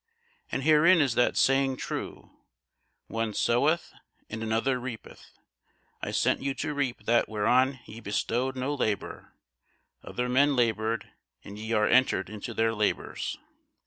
And herein is that saying true, One soweth, and another reapeth. I sent you to reap that whereon ye bestowed no labour: other men laboured, and ye are entered into their labours.